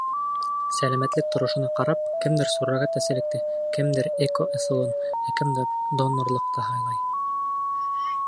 Сәләмәтлек торошона ҡарап, кемдер суррогат әсәлекте, кемдер ЭКО ысулын, ә кемдер донорлыҡты һайлай.